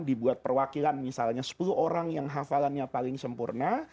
dibuat perwakilan misalnya sepuluh orang yang hafalannya paling sempurna